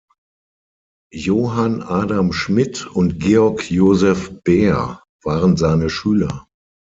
Johann Adam Schmidt und Georg Joseph Beer waren seine Schüler.